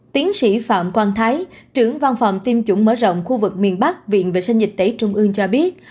tiến sĩ phạm quang thái trưởng văn phòng tiêm chủng mở rộng khu vực miền bắc viện vệ sinh dịch tễ trung ương cho biết